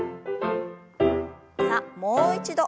さあもう一度。